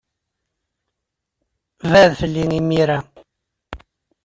Bɛed fell-i imir-a!